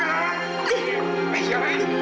lepaskan lepaskan aku rizky